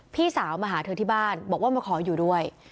พี่สาวมาหาเธอที่บ้านบอกว่ามาขออยู่ด้วย